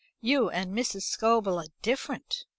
"You and Mrs. Scobel are different.